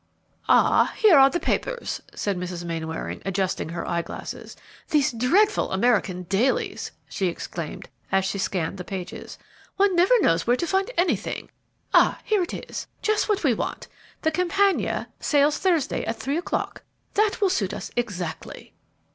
"Ab, here are the papers!" said Mrs. Mainwaring, adjusting her eye glasses. "These dreadful American dailies!" she exclaimed, as she scanned the pages; "one never knows where to find anything. Ah, here it is, and just what we want! The 'Campania' sails Thursday, at three o'clock. That will suit us exactly."